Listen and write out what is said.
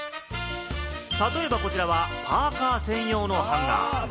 例えば、こちらはパーカ専用のハンガー。